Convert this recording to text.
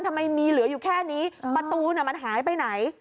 ทำไมมีเหลืออยู่แค่นี้ประตูมันหายไปไหน